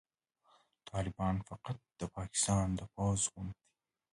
طالبان فقط د پاکستان د پوځ غوندې